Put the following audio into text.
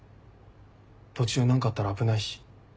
途中何かあったら危ないし。